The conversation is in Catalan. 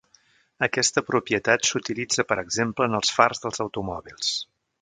Aquesta propietat s'utilitza per exemple en els fars dels automòbils.